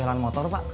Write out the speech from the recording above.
saya mau pergi